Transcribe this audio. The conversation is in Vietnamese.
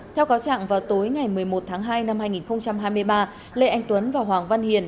theo cáo trạng vào tối ngày một mươi một tháng hai năm hai nghìn hai mươi ba lê anh tuấn và hoàng văn hiền